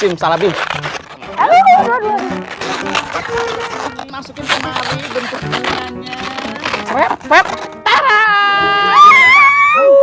masukin kemari bentuk bunganya